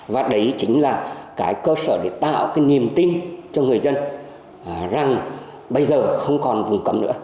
và đấy chính là cái cơ sở để tạo cái niềm tin cho người dân rằng bây giờ không còn vùng cấm nữa